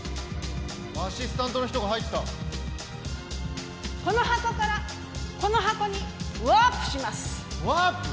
アシスタントの人が入ったこの箱からこの箱にワープしますワープ！？